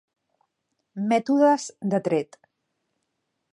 Mètodes de tret.